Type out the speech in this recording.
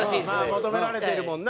求められてるもんな。